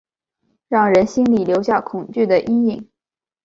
让人心里留下恐惧的阴影